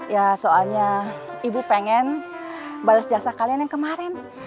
ya soalnya ibu pengen balas jasa kalian yang kemarin